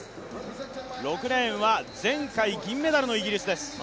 ６レーンは前回銀メダルのイギリスです。